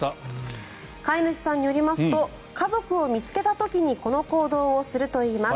飼い主さんによりますと家族を見つけた時にこの行動をするといいます。